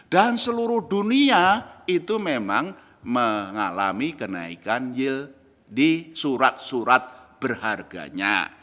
dan seluruh dunia itu memang mengalami kenaikan yield di surat surat berharganya